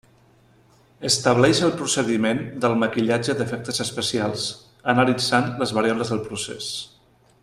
Estableix el procediment del maquillatge d'efectes especials analitzant les variables del procés.